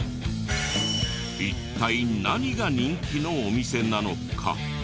一体何が人気のお店なのか？